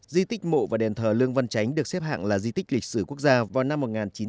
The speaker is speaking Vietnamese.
di tích mộ và đền thờ lương văn chánh được xếp hạng là di tích lịch sử quốc gia vào năm một nghìn chín trăm bảy mươi